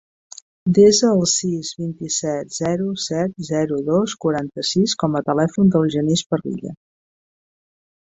Desa el sis, vint-i-set, zero, set, zero, dos, quaranta-sis com a telèfon del Genís Parrilla.